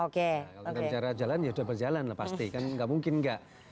kalau kita bicara jalan ya sudah berjalan lah pasti kan nggak mungkin nggak